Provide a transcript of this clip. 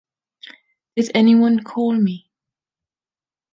Did anyone call me?